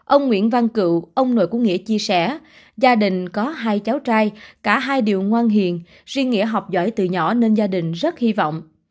ông nguyễn văn cựu ông nội của nghĩa chia sẻ gia đình có hai cháu trai cả hai điều ngoan hiền riêng nghĩa học giỏi từ nhỏ nên gia đình rất hy vọng